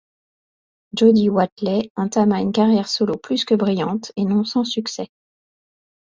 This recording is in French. Jody Watley entama une carrière solo plus que brillante et non sans succès.